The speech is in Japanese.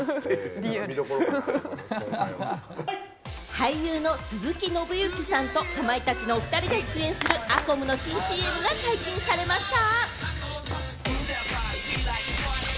俳優の鈴木伸之さんとかまいたちの２人が出演するアコムの新ＣＭが解禁されました。